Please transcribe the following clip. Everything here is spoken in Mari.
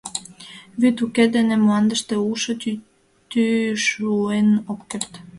Вӱд уке дене мландыште улшо тӱтӱ шулен ок керт.